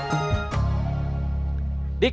kamu kengsung gue kok